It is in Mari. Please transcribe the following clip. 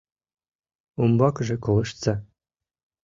Умбакыже колыштса...